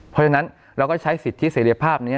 เพราะฉะนั้นเราก็ใช้สิทธิเสรีภาพนี้